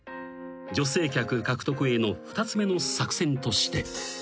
［女性客獲得への２つ目の作戦として］